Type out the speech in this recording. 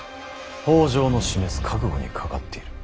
北条の示す覚悟にかかっている。